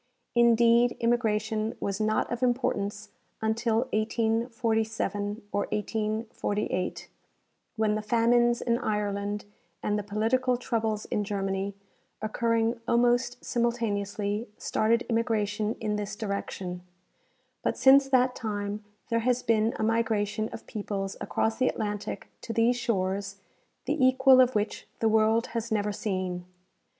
Indeed, immigration was not of importance until 1847 or 1848, when the famines in Ireland and the political troubles in Germany, occurring almost simul taneously, started immigration in this direction ; but since that time there has been a migration of peoples across the Atlantic to these shores the equal of which the world has never seen.